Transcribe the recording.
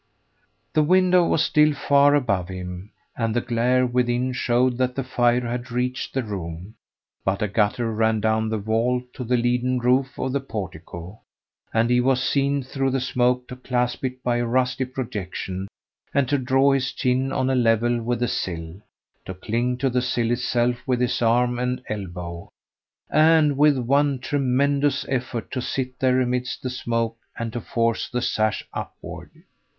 The window was still far above him, and the glare within showed that the fire had reached the room; but a gutter ran down the wall to the leaden roof of the portico, and he was seen through the smoke to clasp it by a rusty projection and to draw his chin on a level with the sill, to cling to the sill itself with his arm and elbow, and with one tremendous effort to sit there amidst the smoke and to force the sash upward.